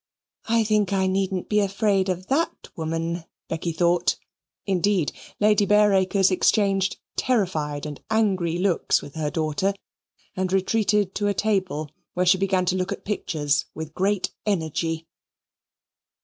"I think I needn't be afraid of THAT woman," Becky thought. Indeed, Lady Bareacres exchanged terrified and angry looks with her daughter and retreated to a table, where she began to look at pictures with great energy.